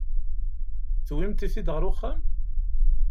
Tewwimt-t-id ɣer uxxam?